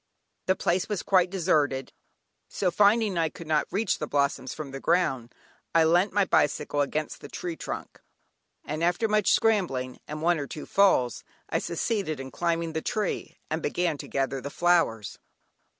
The place was quite deserted, so finding I could not reach the blossoms from the ground, I leant my bicycle against the tree trunk, and after much scrambling, and one or two falls, I succeeded in climbing the tree, and began to gather the flowers.